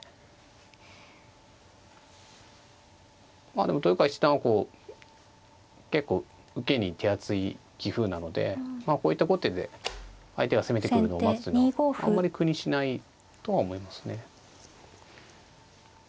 まあでも豊川七段はこう結構受けに手厚い棋風なのでこういった後手で相手が攻めてくるのを待つというのはあんまり苦にしないとは思いますね。